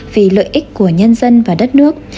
vì lợi ích của nhân dân và đất nước